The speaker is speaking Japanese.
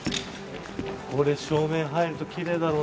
これ照明入るとキレイだろうね